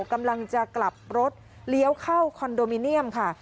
กำลังจะกลับรถเลี้ยวเข้าคอนโดมิเนียมค่ะ